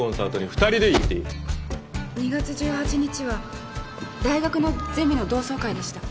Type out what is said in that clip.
２月１８日は大学のゼミの同窓会でした。